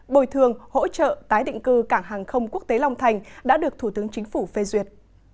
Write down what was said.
bồi thường hỗ trợ tái định cư cảng hàng không quốc tế long thành đã được thủ tướng chính phủ phê duyệt